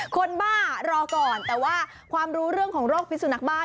บ้ารอก่อนแต่ว่าความรู้เรื่องของโรคพิสุนักบ้า